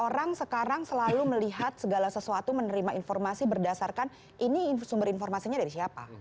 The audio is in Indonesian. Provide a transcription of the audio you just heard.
orang sekarang selalu melihat segala sesuatu menerima informasi berdasarkan ini sumber informasinya dari siapa